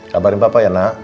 kabarin papa ya nak